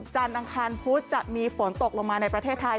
จันทร์อังคารพุธจะมีฝนตกลงมาในประเทศไทย